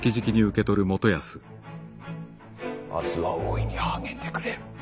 明日は大いに励んでくれ。